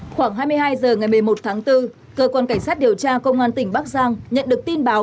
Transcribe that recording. khoảng hai mươi hai h ngày một mươi một tháng bốn cơ quan cảnh sát điều tra công an tỉnh bắc giang nhận được tin báo